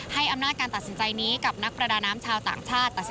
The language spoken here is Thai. ให้อำนาจการตัดสินใจนี้กับนักประดาน้ำชาวต่างชาติ